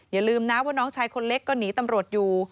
อย่าลืมนะว่าน้องชายคนเล็กก็หนีตำรวจอยู่